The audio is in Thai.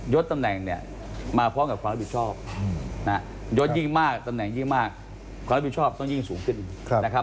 ตำแหน่งเนี่ยมาพร้อมกับความรับผิดชอบนะฮะยศยิ่งมากตำแหน่งยิ่งมากความรับผิดชอบต้องยิ่งสูงขึ้นนะครับ